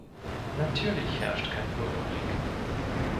Natürlich herrscht kein Bürgerkrieg.